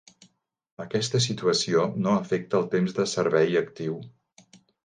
Aquesta situació no afecta el temps de servei actiu.